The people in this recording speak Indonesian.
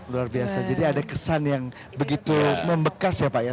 luar biasa jadi ada kesan yang begitu membekas ya pak ya